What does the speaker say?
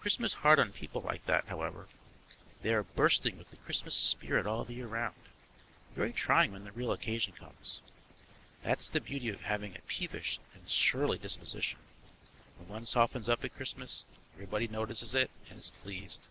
Christmas hard on people like that, however: they are bursting with the Christmas spirit all the year round; very trying when the real occasion comes. That's the beauty of having a peevish and surly disposition: when one softens up at Christmas everybody notices it and is pleased.